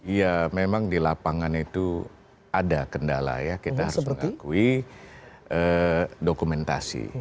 ya memang di lapangan itu ada kendala ya kita harus mengakui dokumentasi